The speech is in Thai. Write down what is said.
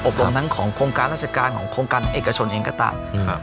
รวมทั้งของโครงการราชการของโครงการเอกชนเองก็ตาม